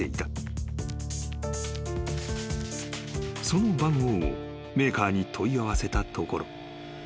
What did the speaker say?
［その番号をメーカーに問い合わせたところ］